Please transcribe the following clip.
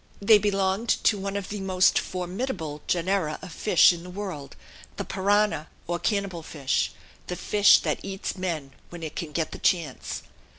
They belonged to one of the most formidable genera of fish in the world, the piranha or cannibal fish, the fish that eats men when it can get the chance.